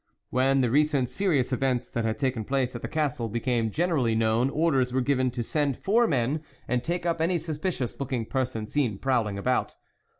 When the recent serious events that had taken place at the Castle became gener ally known, orders were given to send four men and take up any suspicious looking person seen prowling about.